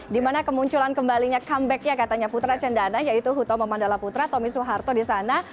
dimana kemunculan kembalinya comebacknya katanya putra cendana yaitu hutomo mandala putra tommy suharto di sana